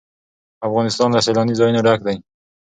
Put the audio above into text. افغانستان له سیلانی ځایونه ډک دی.